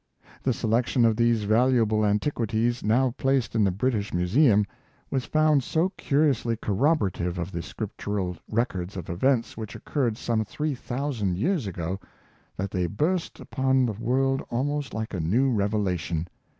The selection of these valua ble antiquities, now placed in the British Museum, was found so curiously corroborative of the scriptural rec ords of events which occurred some three thousand years ago, that they burst upon the world almost like a new revelation.